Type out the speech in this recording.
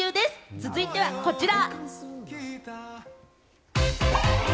続いてはこちら。